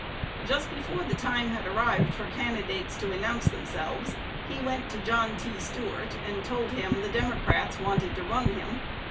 Just before the time had arrived for candidates to announce themselves, he went to John T. Stuart, and told him "the Democrats wanted to run him."